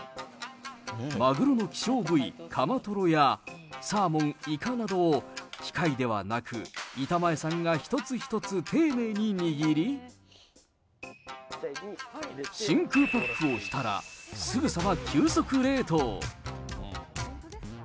マグロの希少部位、カマトロや、サーモン、イカなどを、機械ではなく、板前さんが一つ一つ丁寧に握り、真空パックをしたら、すぐさま急速冷凍。